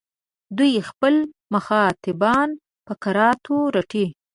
دوی خپل مخاطبان په کراتو رټي.